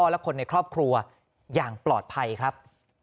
และคนในครอบครัวอย่างปลอดภัยครับ